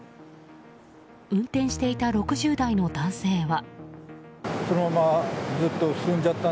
運転していた６０代の男性は。